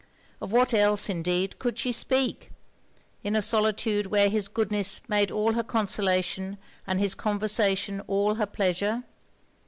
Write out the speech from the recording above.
Of what else, indeed, could she speak, in a solitude where his goodness made all her consolation and his conversation all her pleasure?